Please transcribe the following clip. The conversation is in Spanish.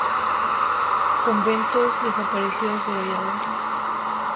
Conventos desaparecidos de Valladolid".